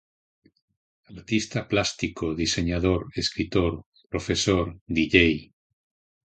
Artista plástico, diseñador, escritor, profesor, dj.